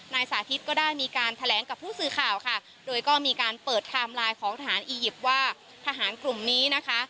สาธิตก็ได้มีการแถลงกับผู้สื่อข่าวค่ะโดยก็มีการเปิดไทม์ไลน์ของทหารอียิปต์ว่าทหารกลุ่มนี้นะคะ